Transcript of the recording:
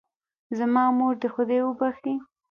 زما مور دې خدای وبښئ